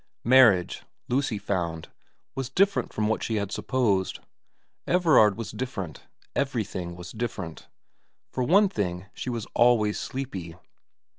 MARRIAGE, Lucy found, was different from what she had supposed ; Everard was different ; everything was different. For one thing she was always sleepy.